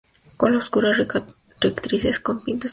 Cola oscura; rectrices con pintas amarillentas.